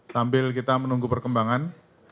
sambil kita menunggu perkembangan